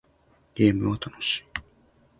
ゲームは楽しい